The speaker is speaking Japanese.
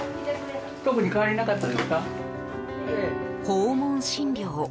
訪問診療。